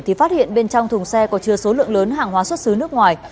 thì phát hiện bên trong thùng xe có chứa số lượng lớn hàng hóa xuất xứ nước ngoài